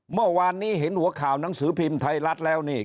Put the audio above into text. เมื่อวานนี้เห็นหัวข่าวหนังสือพิมพ์ไทยรัฐแล้วนี่